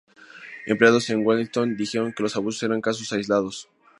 Empleados de Huntingdon dijeron que los abusos eran casos aislados.